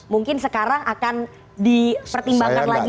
mungkin sekarang akan dipertimbangkan lagi